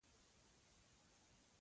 مستو ور باندې غږ کړل کوټه کې دی در وځي.